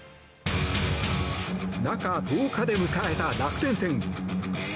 中１０日で迎えた楽天戦。